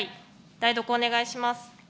代読お願いします。